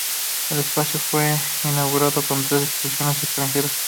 El espacio fue inaugurado con tres exposiciones extranjeras.